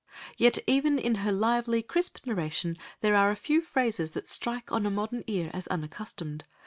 Yet even in her lively, crisp narration there are a few phrases that strike on a modern ear as unaccustomed.